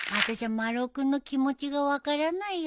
丸尾君の気持ちが分からないよ。